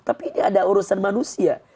tapi ini ada urusan manusia